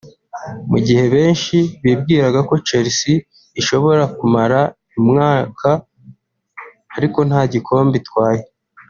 Mu gihe benshi bibwiraga ko Chelsea ishobora kumara umwaka ari nta gikombe itwaye